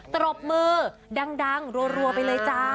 ตรบมือดังรัวไปเลยจ้า